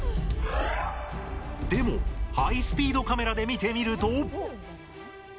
でもハイスピードカメラで見てみると。